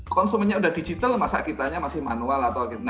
konsumennya udah digital masa kitanya masih manual atau